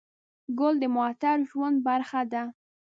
ګل د معطر ژوند برخه ده.